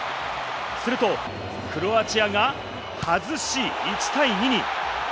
すると、クロアチアが外し、１対２に。